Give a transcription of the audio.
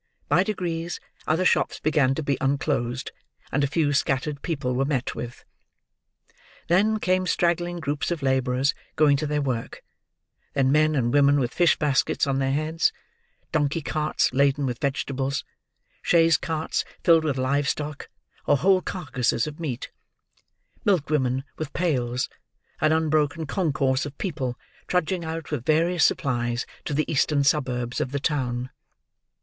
By degrees, other shops began to be unclosed, and a few scattered people were met with. Then, came straggling groups of labourers going to their work; then, men and women with fish baskets on their heads; donkey carts laden with vegetables; chaise carts filled with live stock or whole carcasses of meat; milk women with pails; an unbroken concourse of people, trudging out with various supplies to the eastern suburbs of the town.